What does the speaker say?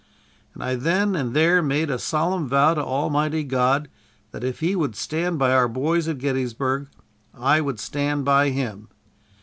And I then and there made a solemn vow to Almighty God that if He would stand by our boys at Gettysburg, I would stand by Him.